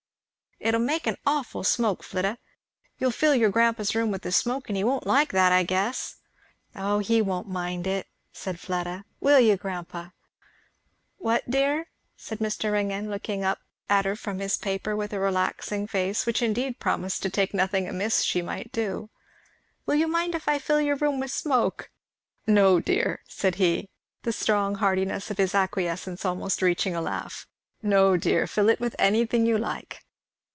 "It'll make an awful smoke, Flidda; you'll fill your grandpa's room with the smoke, and he won't like that, I guess." "O he won't mind it," said Fleda. "Will you, grandpa?" "What, dear?" said Mr. Ringgan, looking up at her from his paper with a relaxing face which indeed promised to take nothing amiss that she might do. "Will you mind if I fill your room with smoke?" "No, dear!" said he, the strong heartiness of his acquiescence almost reaching a laugh, "No, dear! fill it with anything you like!"